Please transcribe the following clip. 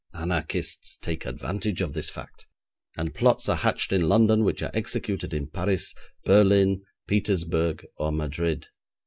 Anarchists take advantage of this fact, and plots are hatched in London which are executed in Paris, Berlin, Petersburg, or Madrid.